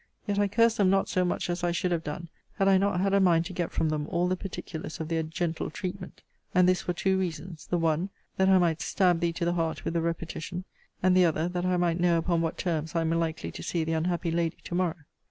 Yet I cursed them not so much as I should have done, had I not had a mind to get from them all the particulars of their gentle treatment: and this for two reasons; the one, that I might stab thee to the heart with the repetition; and the other, that I might know upon what terms I am likely to see the unhappy lady to morrow.